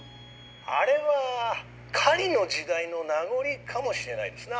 あれは狩りの時代の名残かもしれないですな。